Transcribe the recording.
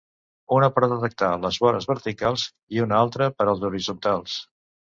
Una per detectar les vores verticals i una altra per als horitzontals.